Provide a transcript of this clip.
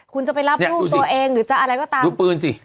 คุณจะไปรับลูกตัวเองหรือจะอะไรก็ตามดูปืนสิ